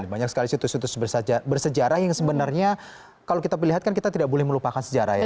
banyak sekali situs situs bersejarah yang sebenarnya kalau kita melihat kan kita tidak boleh melupakan sejarah ya